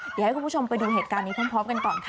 เดี๋ยวให้คุณผู้ชมไปดูเหตุการณ์นี้พร้อมกันก่อนค่ะ